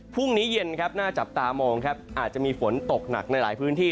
พรุ่งนี้เย็นครับน่าจับตามองครับอาจจะมีฝนตกหนักในหลายพื้นที่